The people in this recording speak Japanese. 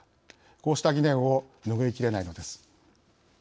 こうした疑念をぬぐいきれないのです。